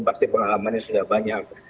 pasti pengalamannya sudah banyak